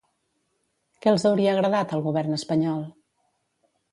Què els hauria agradat al Govern espanyol?